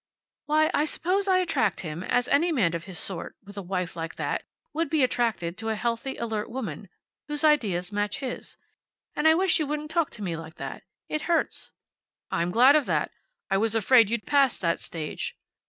"Why, I suppose I attract him, as any man of his sort, with a wife like that, would be attracted to a healthily alert woman, whose ideas match his. And I wish you wouldn't talk to me like that. It hurts." "I'm glad of that. I was afraid you'd passed that stage.